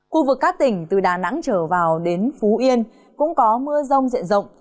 khu vực các tỉnh từ đà nẵng trở vào đến phú yên cũng có mưa rông diện rộng